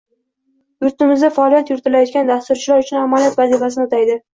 yurtimizda faoliyat yuritayotgan dasturchilar uchun amaliyot vazifasini o‘taydi